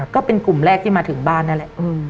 ก็เป็นกลุ่มแรกที่มาถึงบ้านนั่นแหละ